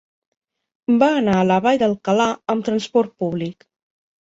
Va anar a la Vall d'Alcalà amb transport públic.